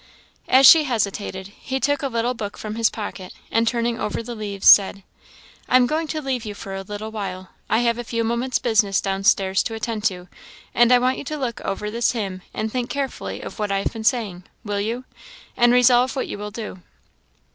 As she hesitated, he took a little book from his pocket, and turning over the leaves, said "I am going to leave you for a little while I have a few moments' business downstairs to attend to: and I want you to look over this hymn and think carefully of what I have been saying, will you? and resolve what you will do."